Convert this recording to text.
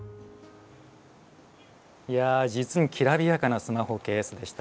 いや実にきらびやかなスマホケースでした。